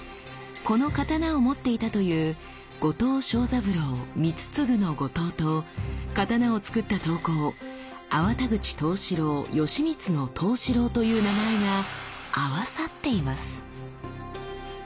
この刀を持っていたという後藤庄三郎光次の「後藤」と刀をつくった刀工粟田口藤四郎吉光の「藤四郎」という名前が合わさっています。